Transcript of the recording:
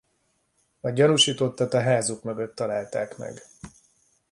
A gyanúsítottat a házuk mögött találták meg.